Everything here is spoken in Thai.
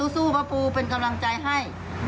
สู้พระปูเป็นกำลังใจให้